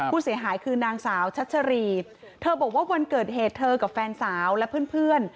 ผู้เสียหายคือนางสาวชัชรีเธอบอกว่าวันเกิดเหตุเธอกับแฟนสาวและเพื่อน